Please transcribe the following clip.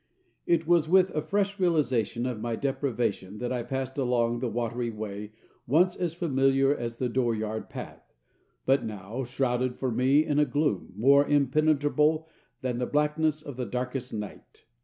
It was with a fresh realization of my deprivation that I passed along the watery way once as familiar as the dooryard path, but now shrouded for me in a gloom more impenetrable than the blackness of the darkest night.